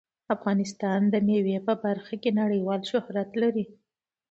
افغانستان د مېوې په برخه کې نړیوال شهرت لري.